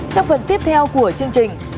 trong phần tiếp theo của chương trình